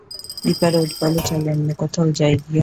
দিপা রোজ বলে, চল, অন্য কোথাও যাই গিয়া।